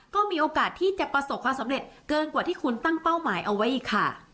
ก็มีโอกาสที่จะประสบความสำเร็จเกินกว่าที่คุณตั้งเป้าหมายเอาไว้อีกค่ะ